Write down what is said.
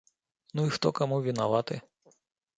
Ну і хто каму вінаваты?